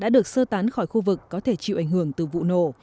đã được sơ tán khỏi khu vực có thể chịu ảnh hưởng từ vụ nổ